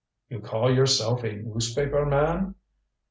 "You call yourself a newspaper man?"